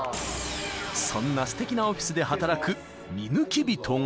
［そんなすてきなオフィスで働く見抜き人が］